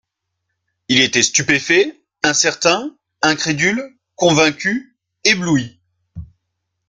Il était stupéfait, incertain, incrédule, convaincu, ébloui.